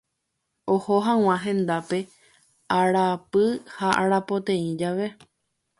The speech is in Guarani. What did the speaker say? Oho hag̃ua hendápe araapy ha arapoteĩ jave.